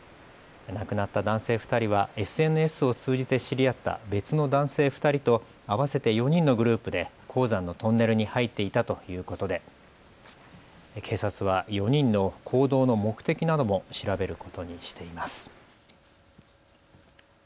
亡くなった男性２人はＳＮＳを通じて知り合った別の男性２人と合わせて４人のグループで鉱山のトンネルに入っていたということで警察は４人の行動の目的なども調べることにしています。